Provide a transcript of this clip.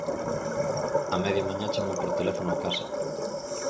A media mañá chamou por teléfono á casa.